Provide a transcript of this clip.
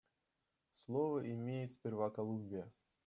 Слово имеет сперва Колумбия.